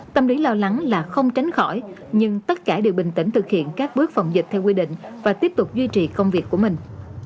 tâm lý lo lắng là không tránh khỏi nhưng tất cả đều bình tĩnh thực hiện các bước phòng dịch theo quy định và tiếp tục duy trì công việc của mình